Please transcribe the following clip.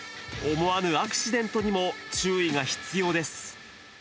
思わぬアクシデントにも注意が必要です。